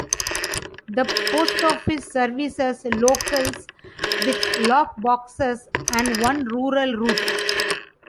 The post office services locals with lock boxes and one rural route.